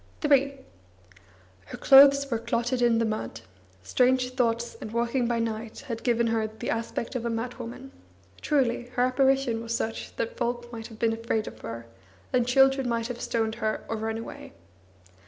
III Her clothes were clotted in the mud; strange thoughts and walking by night had given her the aspect of a madwoman; truly, her apparition was such that folk might have been afraid of her, and children might have stoned her or run away.